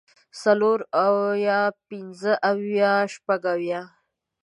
څلور اويه پنځۀ اويه شپږ اويه